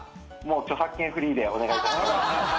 著作権フリーでお願いいたします。